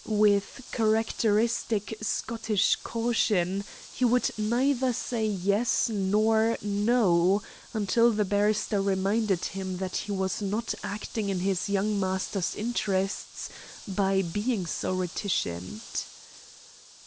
With characteristic Scottish caution, he would neither say "yes" nor "no" until the barrister reminded him that he was not acting in his young master's interests by being so reticent.